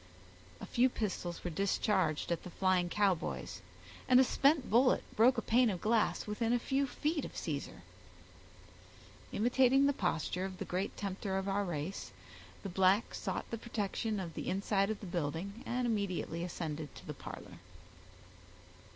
A few pistols were discharged at the flying Cowboys, and a spent bullet broke a pane of glass within a few feet of Caesar. Imitating the posture of the great tempter of our race, the black sought the protection of the inside of the building, and immediately ascended to the parlor.